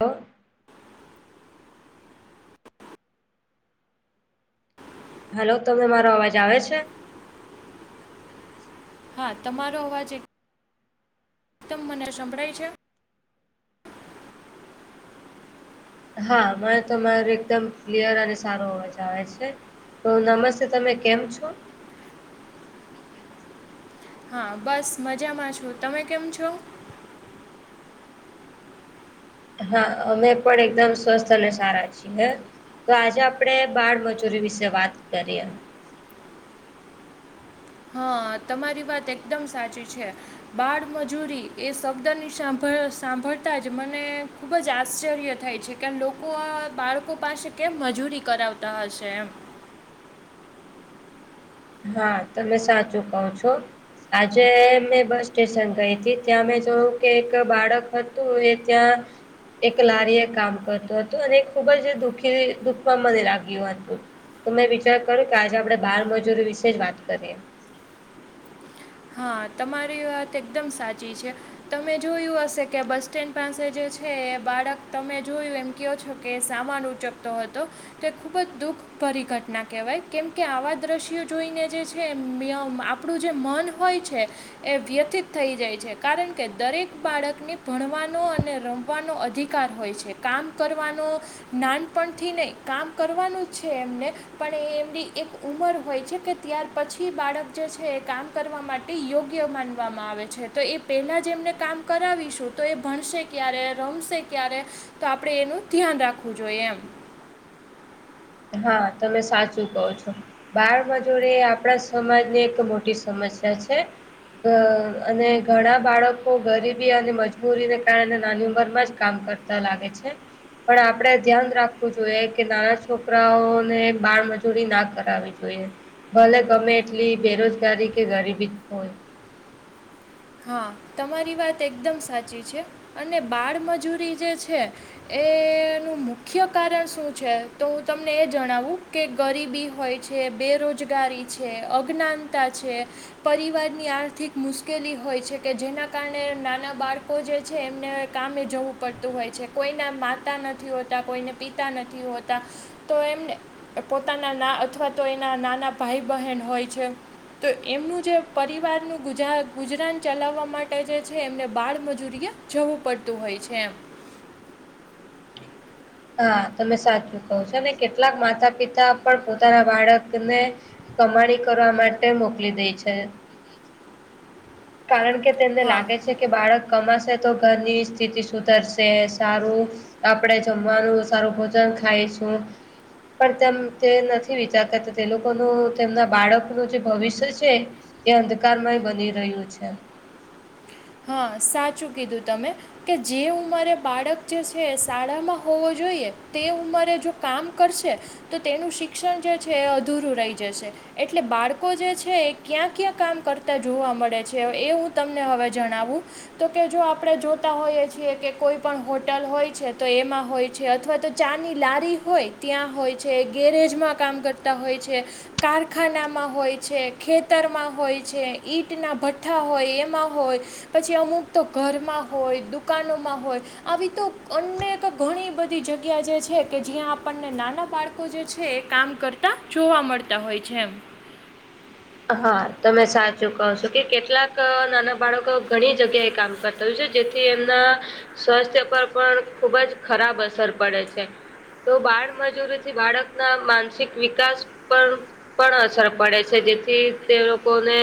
હ [inaudible] [inaudible] હલો તમને મારો અવાજ આવે છે. હા તમારો અવાજ એક એકદમ મને સંભળાય છે. હા મને તો મારો એકદમ ક્લિયર અને સારો અવાજ આવે છે. તો નમસ્તે તમે કેમ છો. હા બસ મજામાં છો તમે કેમ છો? હા અમે પણ એકદમ સ્વસ્થ અને સારા છીએ હે. તો આજે આપણેે બાળમજૂરી વિશે વાત કરીએ. હા તમારી વાત એકદમ સાચી છે. બાળમજૂરી એ શબ્દની સાંભળ સાંભળતા જ મને ખૂબ જ આશ્ચર્ય થાય છે કેમ લોકો આ બાળકો પાસે કેમ મજૂરી કરાવતા હશે એમ. હા તમે સાચું કહો છો. આજે મેં બસ સ્ટેશન ગઈ હતી ત્યાં મેં જોયું કે એક બાળક હતું એ ત્યાં એક લારી એ કામ કરતું હતું અને ખુબ જ દુખી દુખમાં મને લાગ્યું હતું. તો મેં વિચાર કર્યો કે આજે આપડે બાર મજૂરી વિશે જ વાત કરીએ. હા તમારી વાત એકદમ સાચી છે. તમે જોયું હશે કે બસ સ્ટેન્ડ પાસે જે છે એ બાળક તમે જોયું એમ કયો છો કે સામાન ઉચકતો હતો તો એ ખૂબ જ દુઃખ દુઃખ ભરી ઘટના કહેવાય કેમ કે આવા દ્રશ્યો જોઈને જે છે આપણું જે મન હોય છે. એ વ્યથિત થઈ જાય છે કારણ કે દરેક બાળકને ભણવાનો અને રમ આપવાનો અધિકાર હોય છે કામ કરવાનો નાનપણથી નહી કામ કરવાનું છે એમને પણ એ એમની એક ઉમર હોય છે કે ત્યાર પછી બાળક જે છે એ કામ કરવા માટે યોગ્ય માનવામાં આવે છે તો એ પહેલા જેમને કામ કરાવીશું તો એ ભણશે ક્યારે રમશે ક્યારે તો આપડે એનું ધ્યાન રાખવું જોઈએ એમ. હા તમે સાચું કહો છો. બાળ મજૂરી આપણા સમાજની એક મોટી સમસ્યા છે. અ અને ઘણા બાળકો ગરીબી અને મજબૂરીને કારણે નાની ઉંમર માં જ કામ કરતા લાગે છે પણ આપડે ધ્યાન રાખવું જોઈએ કે ના છોકરાઓને બાળમજૂરી ના કરાવવી જોઈએ. ભલે ગમે એટલી બેરોજગારી કે ગરીબી જ હોય. હા તમારી વાત એકદમ સાચી છે, અને બાળમજૂરી જે છે. એનું મુખ્ય કારણ શું છે તો હું તમને એ જણાવું કે ગરીબી હોય છે, બેરોજગારી છે, અજ્ઞાનતા છે પરિવારની આર્થિક મુશ્કેલી હોય છે કે જેના કારણે નાના બાળકો જે છે, એમને કામે જવું પડતું હોય છે કોઈના માતા નથી હોતા, કોઈના પિતા નથી હોતા તો એમને પોતાના ના અથવા તો એના નાના ભાઈ બહેન હોય છે. તો એમનું જે પરિવારનું ગુજરાન. ચલાવવા માટે જે છે, એમને બાળમજૂરીએ જવું પડતું હોય છે એમ. હા તમે સાચું કહો છો, અને કેટલાક માતા પિતા પણ પોતાના બાળકને કમાણી કરવા માટે મોકલી દે છે. કારણ કે તેમને હા લાગે છે. કે બાળક કમાશે તો ઘરની સ્થિતિ સુધરશે સારું આપડે જમવાનું સારું ભોજન ખાય છું. પણ તેમ તે નથી વિચારતા તે લોકોનું તેમના બાળકનું જે ભવિષ્ય છે. એ અંધકારમાંય બની રહ્યું છે. હા સાચું કીધું તમે. કે જે ઉંમારે બાળક જે છે, શાળામાં હોવો જોઈએ તે ઉંમારે જો કામ કરશે. તો તેનું શિક્ષણ જે છે, એ અધૂરું રહી જશે. એટલે બાળકો જે છે એ ક્યાં ક્યાં કામ કરતા જોવા મળે છે એ હું તમને હવે જણાવું તો કે જો આપણે જોતા હોઈએ છીએ કે કોઈ પણ હોટલ હોય છે તો એમાં હોય છે અથવા તો ચારની લારી હોય ત્યાં હોય છે ગેરેજમાં કામ કરતા હોય છે. કારખાનામાં હોય છે ખેતરમાં હોય છે ઈંટના ભઠ્ઠા હોય એમાં હોય. પછી અમુક તો ઘરમાં હોય દુકાનોમાં હોય. આવી તો અનેક ઘણી બધી જગ્યા જે છે કે જ્યાં આપણને નાના બાક એ કામ કરતા જોવા મળતા હોય છે એમ. હા તમે સાચું કહો છો કે કેટલાક નાના બાળકો ઘણી જગ્યાએ કામ. કરતા છે જેથી એમના સ્વાસ્થ્ય પર પણ ખુબ જ ખરાબ અસર પડે છે. તો બાળ મજૂરીથી બાળકના માનસિક વિકાસ પણ પણ અસર પડે છે, જેથી તે લોકોને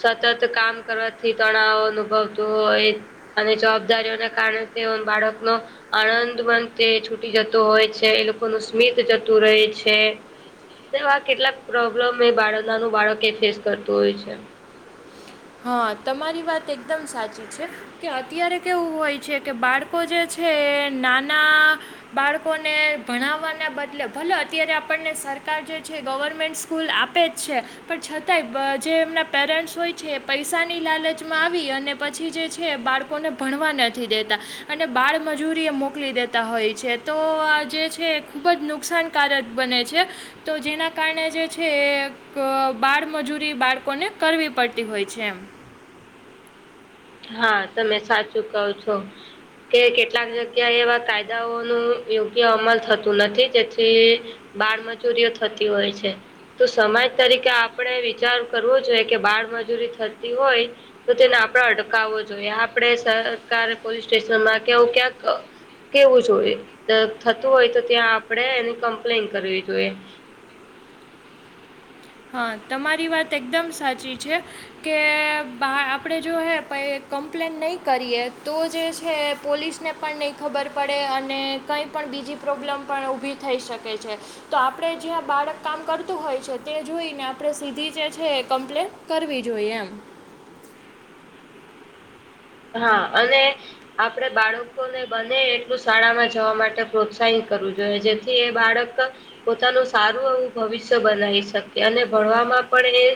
સતત કામ કરવાથી તણાવ અનુભવતું હોય. અને જવાબદારીઓને કારણે તે બાળકનો આનંદ મંદ તે છૂટી જતો હોય છે, એ લોકોનું સ્મિત જતું રહે છે. તોવા કેટલાક પ્રોબ્લેમ એ બાળક નાનું બાળકે ફેસ કરતું હોય છે. હા તમારી વાત એકદમ સાચી છે. કે અત્યારે કેવું હોય છે કે બાળકો જે છે નાના બાળકોને ભણાવવાના બદલે ભલે અત્યારે આપણને સરકાર જે છે ગવર્મેન્ટ સ્કૂલ આપે જ છે પણ છતાંય જે એમના પેરેન્ટ્સ હોય છે એ પૈસાની લાલચમાં આવી અને પછી જે છે. બાળકોને ભણવા નથી દેતા અને બાળમજૂરી એ મોકલી દેતા હોય છે, તો આ જે છે ખુબ જ નુકસાન કારક બન છે. તો જેના કારણે જે છે બાળમજૂરી બાળકોને કરવી પડતી હોય છે. છે હા તમે સાચું કો છો કે કેટલાક જગ્યાએ એવા કાયદાઓ ન યોગ્ય અમલ થતું નથી જેથી. બાળમજૂરીઓ થતી હોય છે. તો સમાજ તરીકે આપણે વિચાર કરવો જોઈએ કે બાળમજૂરી થતી હોય. તો તેને આપણે અટકાવવો જોઈએ આપણે સરકારે પોલીસ સ્ટેશનમાં કેવું ક્યાંક કેવું જોઈએ થતું હોય તો ત્યાં આપડે એની કમ્પ્લેન કરવી જોઈએ. હા તમારી વાત એકદમ સાચી છે. કે બા આપણે જો હે પ કમ્પ્લેન નહીં કરીએ તો જે છે પોલીસ ને પણ નહીં ખબર પડે અને કંઈ પણ બીજી પ્રોબ્લેમ પણ ઊભી થઈ શકે છે તો આપડે જ્યાં બાળક કામ કરતું હોય છે તે જોઈને આપણે સીધી જે છે કમ્પ્લેન કરવી જોઈએ એમ હા અને આપડે બાળકોને બને એટલું શાળામાં જવા માટે પ્રોત્સાહિત કરવું જોઈએ જે જે બાળક પોતાનું સારું એવું ભવિષ્ય બનાવી શકે અને ભણવામાં પણ એ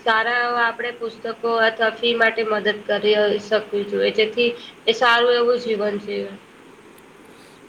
સારા આપણે પુસ્તકો અથવા ફી માટે મદદ કરી થી એ સારું એવો જીવન જીવે.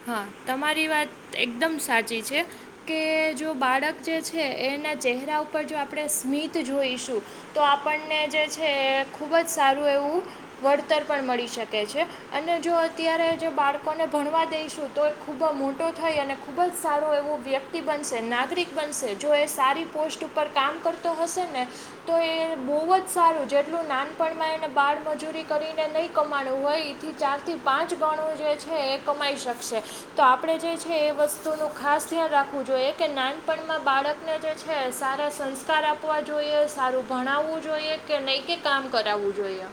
હા તમારી વાત એકદમ સાચી છે. કે જો બાળક જે છે એના ચહેરા ઉપર જો આપણે સ્મિત જોઈશું તો આપણને જે છે ખુબ જ સારું એવું વળતર પણ મળી શકે છે અને જો અત્યારે જે બાળકોને ભણવા દઈશ તો એ ખૂબ જ મોટો થઈ અને ખૂબ જ સારો એવો વ્યક્તિ બનશે નાગરિક બનશે જો એ સારી પોસ્ટ ઉપર કામ કરતો હશે ને તો એ બહુ જ સારું જેટલું નાનપણમાં એને બાળ મજૂરી કરીને નહીં કમાણવું હોય. ચાર થી પાંચ ગણું જે છે એ કમાઈ શકશે. તો આપણે જે છે એ વસ્તુનું ખાસ ધ્યાન રાખવું જોઈએ કે નાનપણમાં બાળક ને જે છે સારા સંસ્કાર આપવા જોઈએ સારું ભણાવવું જોઈએ કે નૈકિક કામ કરાવવું જોઈએ.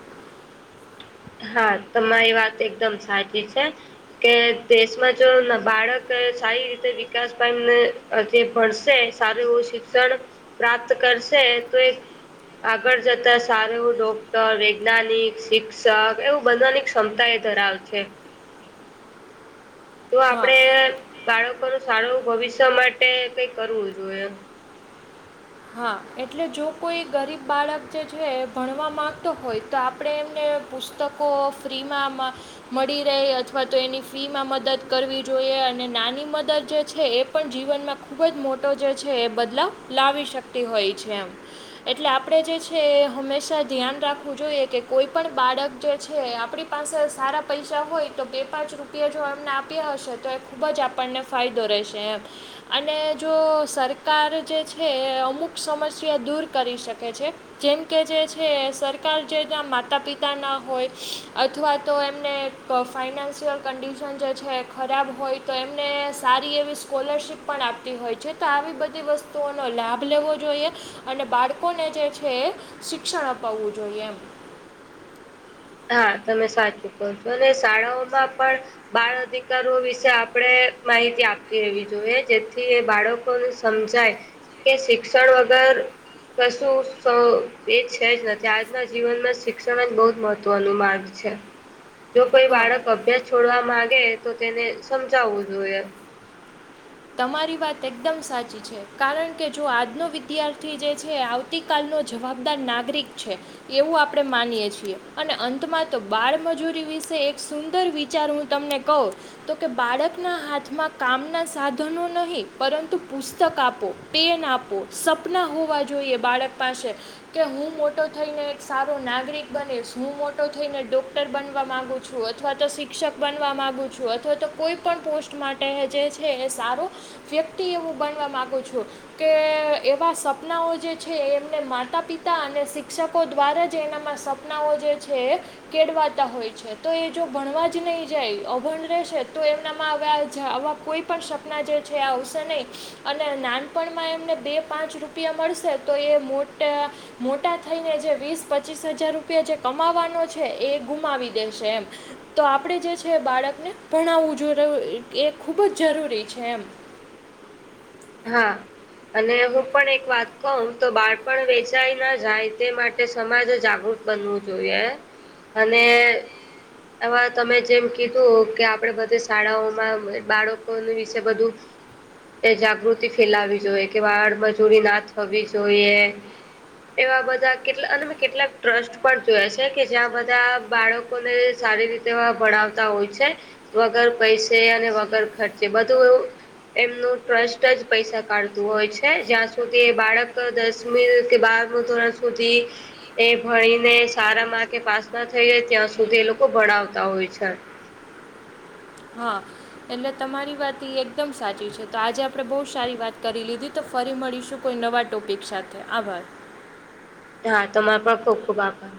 હા તમારી વાત એકદમ સાચી છે. કે દેશમાં જો બાળક સારી રીતે વિકાસ [unintelligible] હજી ભણશે સારું એવું શિક્ષણ પ્રાપ્ત કરશે તો એક આગળ જતા સારું ડોક્ટર વૈજ્ઞાનિક શિક્ષ ક એવું બધવાની ક્ષમતા એ ધરાવ છે. તો હા આપડે બાળકોનું સારું ભવિષ્ય માટે કઈ કરવું જોઈએ. હા એટલે જો કોઈ ગરીબ બાળક જે છે એ ભણવા માગતો હોય તો આપણે એમને પુસ્તકો ફ્રીમાં મળી રહે અથવા તો એની ફી માં મદદ કરવી જોઈએ અને નાની મદદ જે છે એ પણ જીવનમાં ખુબ જ મોટો જે છે એ બદલાવ લાવી શકતી હોય છે એમ. એટલે આપણે જે છે એ હંમેશા ધ્યાન રાખવું જોઈએ કે કોઈ પણ બાળક જે છે આપણી પાસે સારા પૈસા હોય તો બે પાંચ રૂપિયા જો એમને આપ્યા હશે તો એ ખૂબ જ આપણને ફાયદો રહેશે એમ અને જો સરકાર જે છે અમુક સમસ્યા દૂર કરી શકે છે. જેમ કે જે છે સરકાર જેના માતા પિતાના હોય અથવા તો એમને તો ફાઇનાન્શિયલ કન્ડિશન જે છે ખરાબ હોય તો એમને સારી એવી સ્કોલરશિપ પણ આપતી હોય છે તો આવી બધી વસ્તુઓનો લાભ લેવો અને બાળકોને જે છે એ શિક્ષણ અપાવવું જોઈએ એમ. હા તમે સાચું કર છો અને શાળાઓમાં પણ બાળ અધિકારો વિશે આપણે માહિતી આપતી રહેવી જોઈએ જેથી બાળકો ને સમજાય કે શિક્ષણ વગર કશું એ છે જ નથી આજના જીવનમાં શિક્ષણ જ બહું જ મહત્ત્વ માર્ગ છે જો કોઈ હા બાળક અભ્યાસ છોડવા માગે તો તેને સમજાવવું જોઈએ. તમારી વાત એકદમ સાચી છે કારણ કે જો આજનો વિદ્યાર્થી જે છે આવ આવતીકાલનો જવાબદાર નાગરિક છે. એવું આપડણે માનીયએ છીએ અને અંતમાં તો બાળમજૂરી વિશે એક સુંદર. વિચાર હું તમને કહું તો કે બાળકના હાથમાં કામના સાધ. ધનો નહીં પરંતુ પુસ્તક આપો પેન આપો સપના હોવા જોઈએ બાળક પાસે. કે હું મોટો થઈને એક સારો નાગરિક બનીશ હું મોટો થઈને ડોક્ટર બનવા માંગુ છું. અથવા તો શિક્ષક બનવા માંગુ છું અથવા તો કોઈ પણ પોસ્ટ માટે જે છે એસ સારું વ્યક્તિ એ હું બનવા માંગુ છું. કે એવા સપનાઓ જે છે એમને માતા પિતા અને શિક્ષકો દ્વારા જ એનામાં સપ સપનાઓ જે છે. કેડવાતા હોય છે તો એ જો ભણવા જ નહી જાય અભણ રહે છે તો એમનામાંવા. કોઈ પણ સપના જે છે આ આવશે નહીં. અને નાનપણમાં એમને બે પાંચ રૂપિયા મળશે તો એ મોટા. મોટા થઈને જે વીસ પચીસ હજાર રૂપિયા જે કમાવાનો છે એ ગુમાવી દેશે એમ. તો આપણેે જે છે બાળકને ભણાવવું જો એ ખુબ જ જરૂરી છે એમ. હા. અને હું પણ એક વાત કહું તો બાળપણ વેચાય ના જાય તે માટે સમાજ જાગૃત. બનવું જોઈએ અને. આવા તમે જેમ કીધું કે આપડે બધી શાળાઓમાં બાળકો વિશે બધું. એ જાગૃતિ ફેલાવી જોઈએ કે વાળ મજૂરી ના થવી જોઈએ. એવા બધા કેટલા અને કેટલા ટ્રસ્ટ પણ જોયા છે કે જ્યાં બધા બાળક. લોકોને સારી રીતે ભણાવતા હોય છે. વગર પૈસે અને વગર ખર્ચે બધું એવું એમનું ટ્રસ્ટ. જ પૈસા કાઢતું હોય છે જ્યાં સુધી બાળક દસમી કે બારમું ધોરણ સુધી. એ ભણીને સારામાં કે પાસ ના થઈ જાય ત્યાં સુધી એ લોકો ભણાવતા હોય છે. હા એટલે તમારી વાત ઇ એકદમ સાચી છે તો આજે આપણે બહુ સારી વાત કરી લીધી. તો ફરી મળીશું કોઈ નવા ટોપિક સાથે આભાર. હા તમાર પણ ખુબ ખુબ આભાર.